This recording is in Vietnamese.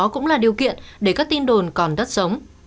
cũng là điều kiện để các tin đồn còn đất sống